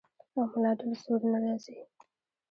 او ملا ډېر زور نۀ راځي -